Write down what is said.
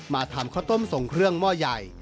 ทำข้าวต้มส่งเครื่องหม้อใหญ่